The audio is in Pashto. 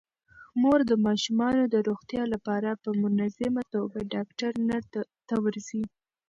مور د ماشومانو د روغتیا لپاره په منظمه توګه ډاکټر ته ورځي.